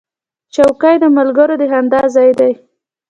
چوکۍ د ملګرو د خندا ځای دی.